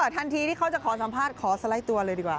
ทันทีที่เขาจะขอสัมภาษณ์ขอสไลด์ตัวเลยดีกว่า